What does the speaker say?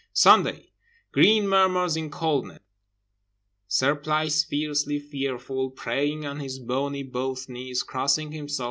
Sunday: green murmurs in coldness. Surplice fiercely fearful, praying on his bony both knees, crossing himself….